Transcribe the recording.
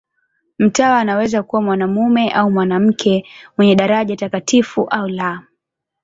Mtawa anaweza kuwa mwanamume au mwanamke, mwenye daraja takatifu au la.